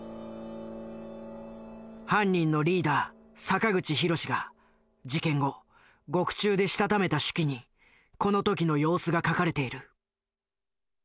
犯人のリーダー坂口弘が事件後獄中でしたためた手記にこの時の様子が書かれている。